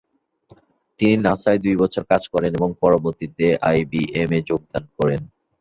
তিনি নাসায় দুই বছর কাজ করেন এবং পরবর্তীতে আইবিএম এ যোগদান করেন।